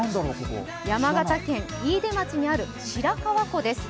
山形県飯豊町にある白川湖です。